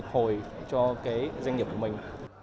hồi cho cái doanh nghiệp của mình